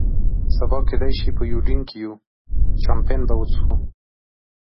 سبا کېدای شي په یوډین کې یو، چامپېن به وڅښو.